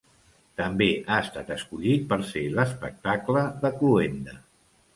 També ha estat escollit per ser l’espectacle de cloenda.